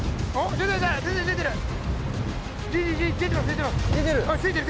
出てる？